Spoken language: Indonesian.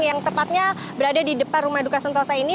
yang tepatnya berada di depan rumah duka sentosa ini